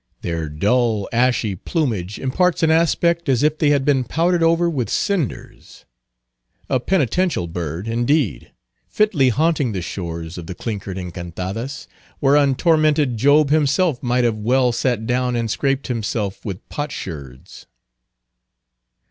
Their dull, ashy plumage imparts an aspect as if they had been powdered over with cinders. A penitential bird, indeed, fitly haunting the shores of the clinkered Encantadas, whereon tormented Job himself might have well sat down and scraped himself with potsherds.